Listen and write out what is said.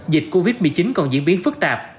dịch covid một mươi chín còn diễn biến phức tạp